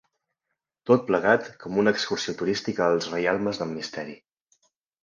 Tot plegat, com una excursió turística als reialmes del Misteri.